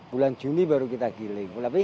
bulan juni baru kita giling